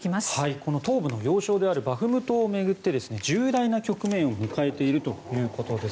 この東部の要衝であるバフムトを巡って重大な局面を迎えているということです。